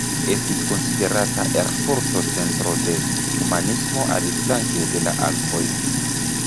Estis konsiderata Erfurto centro de humanismo aliflanke de la Alpoj.